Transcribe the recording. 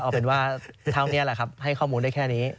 เอาเป็นว่าเท่านี้แหละครับให้ข้อมูลได้แค่นี้